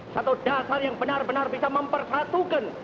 satu dasar yang benar benar bisa mempersatukan